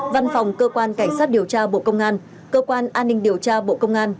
văn phòng cơ quan cảnh sát điều tra bộ công an cơ quan an ninh điều tra bộ công an